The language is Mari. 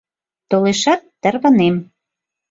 Толешат, тарванем.